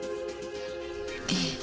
ええ。